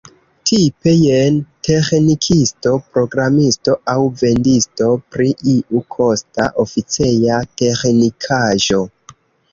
Tipe jen teĥnikisto, programisto, aŭ vendisto pri iu kosta oficeja teĥnikaĵo.